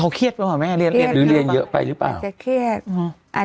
เขาเครียดป่ะแม่เรียนหรือเรียนเยอะไปหรือเปล่าอาจจะเครียดอืม